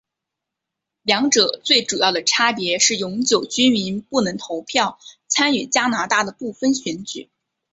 两者最主要的差别是永久居民不能投票参与加拿大的部分选举。